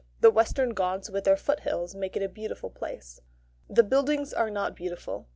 The Western Ghauts with their foothills make it a beautiful place. The buildings are not beautiful.